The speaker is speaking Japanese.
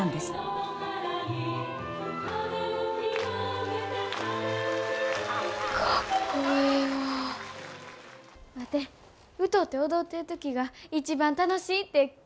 ワテ歌うて踊ってる時が一番楽しいって気ぃ付いたんや。